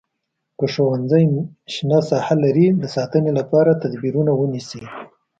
که ښوونځی شنه ساحه لري د ساتنې لپاره تدبیرونه ونیسئ.